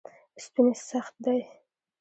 ستوني سخت دی.